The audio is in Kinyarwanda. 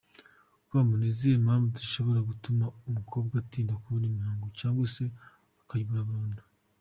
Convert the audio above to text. com: Ni izihe mpamvu zishobora gutuma umukobwa atinda kubona imihango cyangwa se akayibura burundu?.